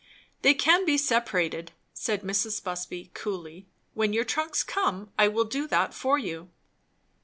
"They can be separated," said Mrs. Busby coolly. "When your trunks come, I will do that for you."